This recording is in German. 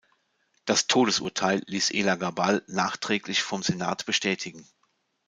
Das Todesurteil ließ Elagabal nachträglich vom Senat bestätigen.